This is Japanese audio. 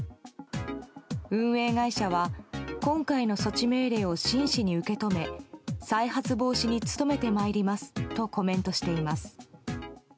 運営会社は、今回の措置命令を真摯に受け止め再発防止に努めてまいりますとコメントしています。